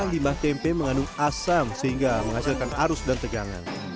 limbah tempe mengandung asam sehingga menghasilkan arus dan tegangan